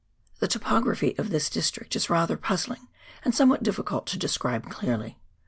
The topography of this district is rather puzzling, and some what difl&cult to describe clearly.